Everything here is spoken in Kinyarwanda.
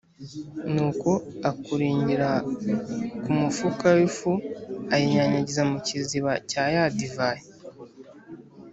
nuko akurengera ku mufuka w’ifu ayinyanyagiza mu kiziba cya ya divayi.